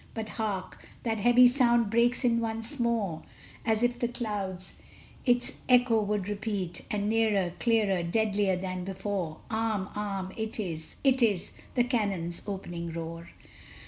But hark! that heavy sound breaks in once more, As if the clouds its echo would repeat, And nearer, clearer, deadlier than before! Arm! arm! it is it is the cannon's opening roar!